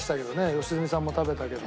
良純さんも食べたけど。